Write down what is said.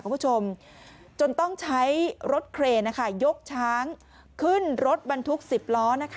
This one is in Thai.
คุณผู้ชมจนต้องใช้รถเครนยกช้างขึ้นรถบรรทุก๑๐ล้อ